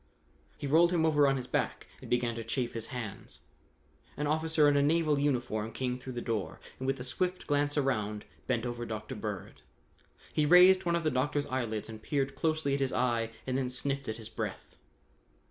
He rolled him over on his back and began to chafe his hands. An officer in a naval uniform came through the door and with a swift glance around, bent over Dr. Bird. He raised one of the doctor's eyelids and peered closely at his eye and then sniffed at his breath.